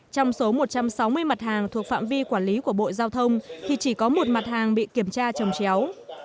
trong số một trăm sáu mươi mặt hàng thuộc phạm vi quản lý của bộ giao thông thì chỉ có một mặt hàng bị kiểm tra trồng chéo